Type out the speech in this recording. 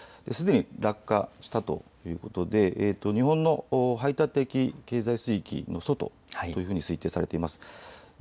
すでに落下したということで日本の排他的経済水域の外と推定されています。